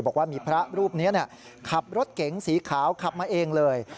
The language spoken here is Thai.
บอกว่ามีพระรูปนี้ขับรถเก๋งสีขาวขับมาเองเลย